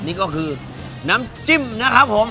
นี่ก็คือน้ำจิ้มนะครับผม